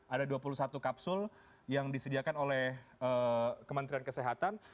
ada dua puluh satu kapsul yang disediakan oleh kementerian kesehatan